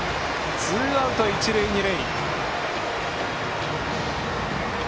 ツーアウト、一塁二塁。